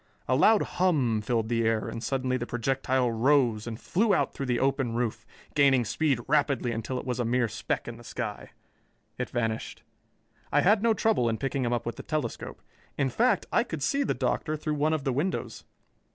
A loud hum filled the air, and suddenly the projectile rose and flew out through the open roof, gaining speed rapidly until it was a mere speck in the sky. It vanished. I had no trouble in picking him up with the telescope. In fact, I could see the Doctor through one of the windows.